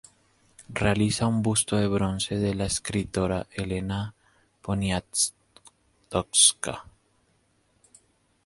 Realiza un busto en bronce de la escritora Elena Poniatowska.